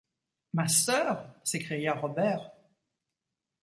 Ma sœur? s’écria Robert.